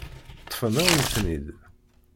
Ṭṭfen-awen-ten-id.